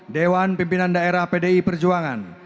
dewan pimpinan daerah pdi perjuangan